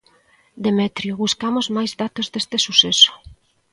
Demetrio, buscamos máis datos deste suceso.